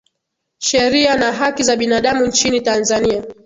sheria na haki za binadamu nchini tanzania